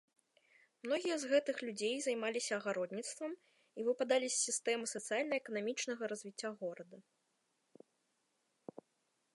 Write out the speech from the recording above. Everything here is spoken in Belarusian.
Многія з гэтых людзей займаліся агародніцтвам і выпадалі з сістэмы сацыяльна-эканамічнага развіцця горада.